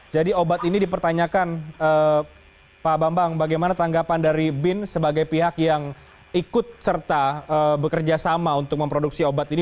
jadi obat ini dipertanyakan pak bambang bagaimana tanggapan dari bin sebagai pihak yang ikut serta bekerjasama untuk memproduksi obat ini